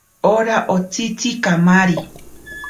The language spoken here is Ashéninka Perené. Ora otsitzi kamarari.